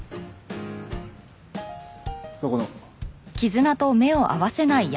そこの。